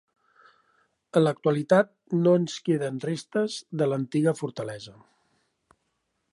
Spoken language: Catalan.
En l'actualitat no ens en queden restes de l'antiga fortalesa.